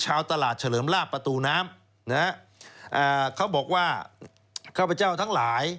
ชาวตลาดเฉลิมลาปประตูน้ำเขาบอกว่าเขาพเจ้าทั้งหลาย